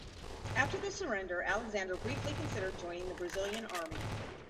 After the surrender, Alexander briefly considered joining the Brazilian Army.